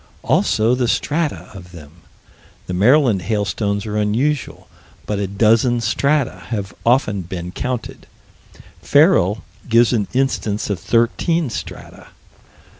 Also the strata of them. The Maryland hailstones are unusual, but a dozen strata have often been counted. Ferrel gives an instance of thirteen strata.